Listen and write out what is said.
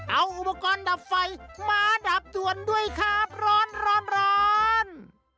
เอาอุปกรณ์ดับไฟมาดับด่วนด้วยครับร้อนร้อน